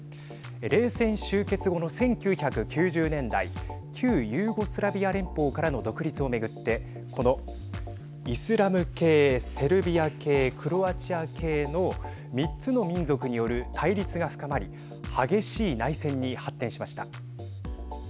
冷戦終結後の１９９０年代旧ユーゴスラビア連邦からの独立を巡ってこのイスラム系セルビア系、クロアチア系の３つの民族による対立が深まり激しい内戦に発展しました。